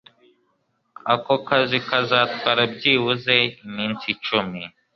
Ako kazi kazatwara byibuze iminsi icumi